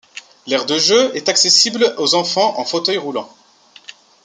L'aire de jeux est accessible aux enfants en fauteuil roulant.